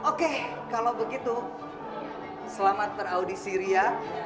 oke kalau begitu selamat peraudisi ria